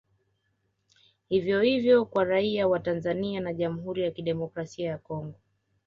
Hivyo hivyo kwa raia wa Tanzania na Jamhuri ya kidemokrasia ya Congo